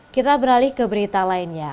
kita beralih ke berita lainnya